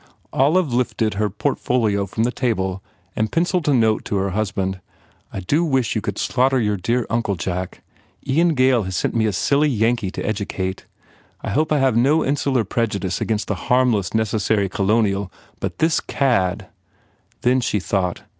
Olive lifted her port folio from the table and penciled a note to her husband. "I do wish you could slaughter your dear uncle, Jack. Ian Gail has sent me a silly Yankee to educate. I hope I have no insular prejudice against the harmless, necessary Colonial but this cad " Then she thought.